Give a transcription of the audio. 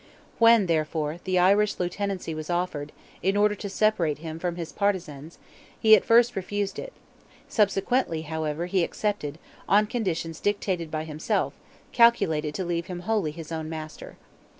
When, therefore, the Irish lieutenancy was offered, in order to separate him from his partizans, he at first refused it; subsequently, however, he accepted, on conditions dictated by himself, calculated to leave him wholly his own master.